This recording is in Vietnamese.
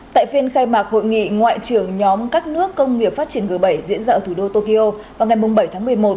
tại phiên khai mạc hội nghị ngoại trưởng nhóm các nước công nghiệp phát triển g bảy diễn ra ở thủ đô tokyo vào ngày bảy tháng một mươi một